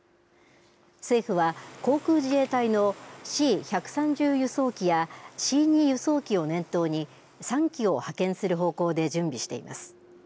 政府は航空自衛隊のＣ１３０輸送機やＣ２輸送機を念頭に３機を派遣する方向で準備しています。